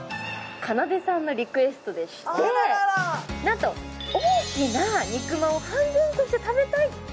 かなでさんのりくえすとでして、なんと大きな肉まんを半分こして食べたい。